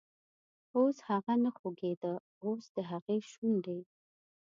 اوس هغه نه خوږیده، اوس دهغې شونډې،